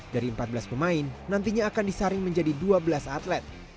dari empat belas pemain nantinya akan disaring menjadi dua belas atlet